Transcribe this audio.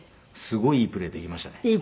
すごいいいプレーできましたね。